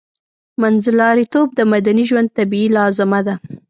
منځلاریتوب د مدني ژوند طبیعي لازمه ده